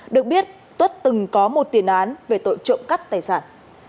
được biết tuất từng có một tiền án về tội trộm cắp tài sản